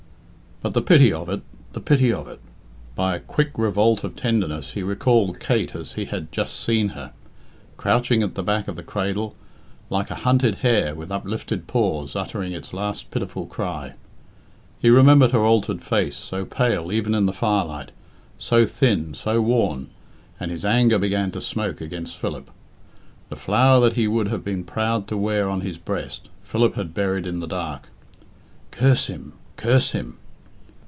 But the pity of it the pity of it! By a quick revolt of tenderness he recalled Kate as he had just seen her, crouching at the back of the cradle, like a hunted hare with uplifted paws uttering its last pitiful cry. He remembered her altered face, so pale even in the firelight, so thin, so worn, and his anger began to smoke against Philip. The flower that he would have been proud to wear on his breast Philip had buried in the dark. Curse him! Curse him!